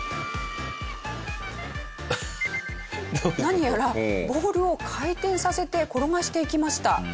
何やらボールを回転させて転がしていきました。